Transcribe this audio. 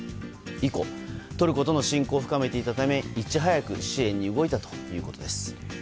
以降、トルコとの親交を深めていたためいち早く支援に動いたということです。